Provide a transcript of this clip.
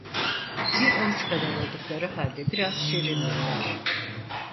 Bir avuç kadar oldukları halde biraz şirindirler.